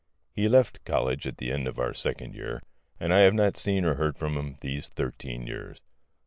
He left college at the end of our second year, and I have not seen or heard from him these thirteen years.